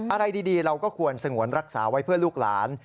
อะไรดีเราก็ควรสงวนรักษาไว้เพื่อลูกหลาน